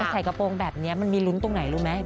ใส่กระโปรงแบบนี้มันมีลุ้นตรงไหนรู้ไหม